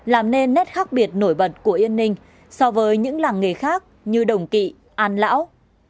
làm nên nét khác biệt nổi bật của yên ninh so với những làng nghề khác như đồng kỵ an lão